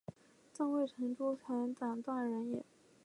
朕未闻诸臣以善恶直奏斯断人也！